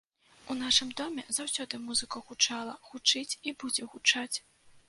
У нашым доме заўсёды музыка гучала, гучыць і будзе гучаць.